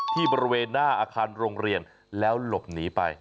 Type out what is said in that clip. บริเวณหน้าอาคารโรงเรียนแล้วหลบหนีไป